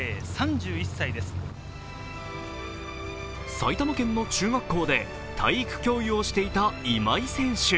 埼玉県の中学校で体育教諭をしていた今井選手。